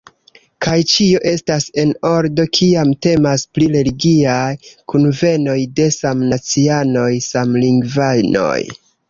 Kaj ĉio estas en ordo, kiam temas pri religiaj kunvenoj de samnacianoj, samlingvanoj.